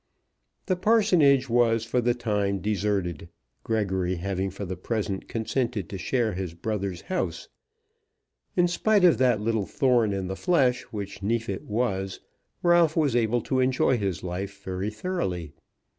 The parsonage was for the time deserted, Gregory having for the present consented to share his brother's house. In spite of that little thorn in the flesh which Neefit was, Ralph was able to enjoy his life very thoroughly.